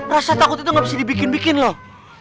rasa takut itu nggak bisa dibikin bikin loh